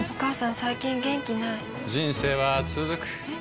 最近元気ない人生はつづくえ？